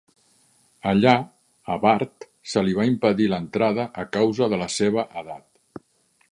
Allà, a Bart se li va impedir l'entrada a causa de la seva edat.